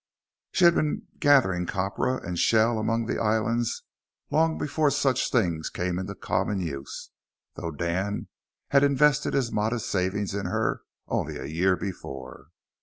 She had been gathering copra and shell among the islands long before such things came into common use, though Dan had invested his modest savings in her only a year before.